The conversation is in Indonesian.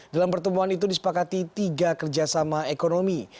dalam pertemuan itu disepakati tiga kerjasama ekonomi